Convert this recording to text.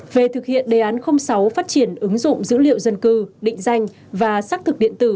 về thực hiện đề án sáu phát triển ứng dụng dữ liệu dân cư định danh và xác thực điện tử